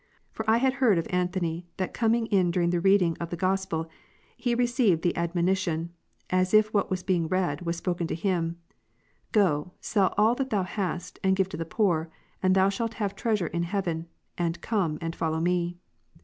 For I had heard of Antony •=, that coming in during the reading of the Gospel, he received the admonition, asif what was being read, was spoken to him ; Go, sell all that thou hast, and give to the Mat. 19 poor, and thou shall have treasure in heaven, and come and ' follow Me.